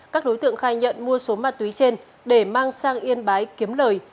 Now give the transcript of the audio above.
các đối tượng khai nhận mua số ma túy trên để mang sang yên bái kiếm lời